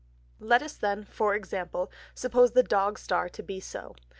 Let us then (for Example) suppose the Dog Star to be so.